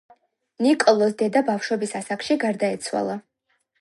ნიკოლოზს დედა ბავშვობის ასაკში გარდაეცვალა.